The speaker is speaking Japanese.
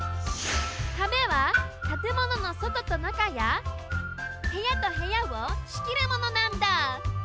壁はたてもののそととなかやへやとへやをしきるものなんだ。